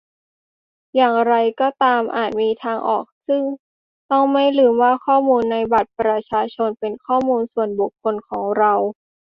อย่างไรก็ตามอาจมีทางออก ซึ่งต้องไม่ลืมว่าข้อมูลในบัตรประชาชนเป็นข้อมูลส่วนบุคคคลของเรา